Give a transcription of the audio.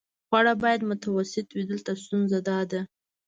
خواړه باید متوسط وي، دلته ستونزه داده.